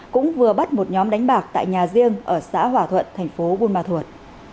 cũng vừa bắt một nhóm đánh bạc tại nhà riêng ở xã hòa thuận tp bun ma thuật